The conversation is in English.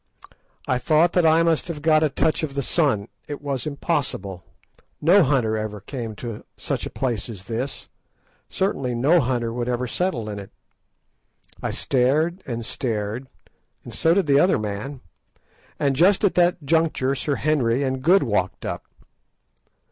I thought that I must have got a touch of the sun. It was impossible. No hunter ever came to such a place as this. Certainly no hunter would ever settle in it. I stared and stared, and so did the other man, and just at that juncture Sir Henry and Good walked up.